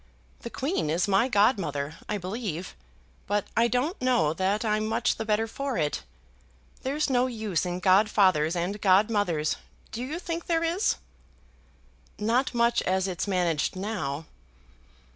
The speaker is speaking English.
The queen is my godmother, I believe, but I don't know that I'm much the better for it. There's no use in godfathers and godmothers; do you think there is?" "Not much as it's managed now."